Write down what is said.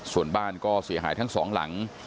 ส่วนบ้านก็เสียหายทั้งสองหลัง